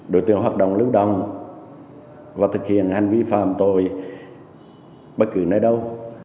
đối tượng hoạt động lưu đồng và thực hiện hành vi phạm tội bất cứ nơi đâu